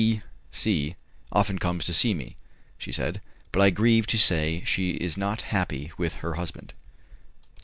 "C C often comes to see me," she said, "but I grieve to say she is not happy with her husband."